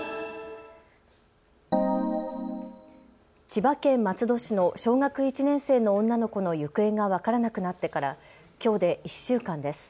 千葉県松戸市の小学１年生の女の子の行方が分からなくなってから、きょうで１週間です。